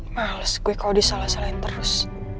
males gue kalau disalah salahin terus